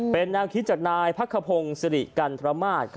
เป็นแนวคิดจากนายพักขพงศ์สิริกันทรมาศ